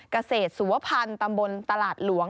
เกษตรสุวพันธ์ตำบลตลาดหลวง